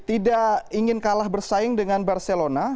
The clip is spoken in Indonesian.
tidak ingin kalah bersaing dengan barcelona